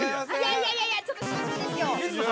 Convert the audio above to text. ◆いやいやいやちょっと審議ですよ。